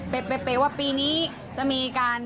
เปลว่าปีนี้จะมีการ